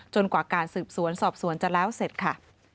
กว่าการสืบสวนสอบสวนจะแล้วเสร็จค่ะ